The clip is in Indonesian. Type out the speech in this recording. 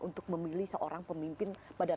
untuk memilih seorang pemimpin pada